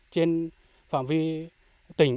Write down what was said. trên phạm vi tỉnh